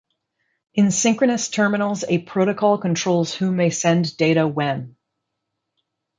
In synchronous terminals a protocol controls who may send data when.